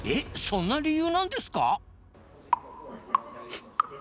そんな理由なんですか？